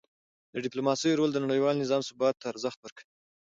د ډیپلوماسی رول د نړیوال نظام ثبات ته ارزښت ورکوي.